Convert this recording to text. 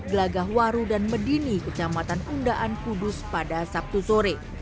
gelagahwaru dan medini kecamatan undaan kudus pada sabtu sore